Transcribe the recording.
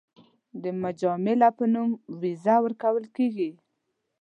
د مجامله په نوم ویزه ورکول کېږي.